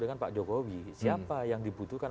dengan pak jokowi siapa yang dibutuhkan